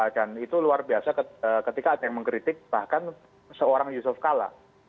dan itu luar biasa ketika ada yang mengkritik bahkan seorang yusof kalla